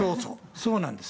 そうなんです。